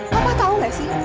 papa tau nggak sih